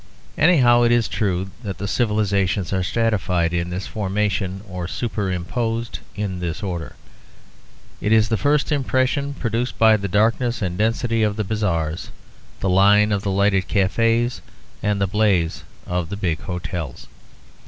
Anyhow it is true that the civilisations are stratified in this formation, or superimposed in this order. It is the first impression produced by the darkness and density of the bazaars, the line of the lighted cafes and the blaze of the big hotels.